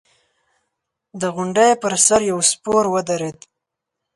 د غونډۍ پر سر يو سپور ودرېد.